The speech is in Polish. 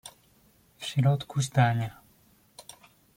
"W środku zdania."